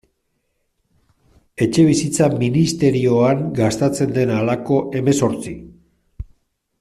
Etxebizitza ministerioan gastatzen den halako hemezortzi.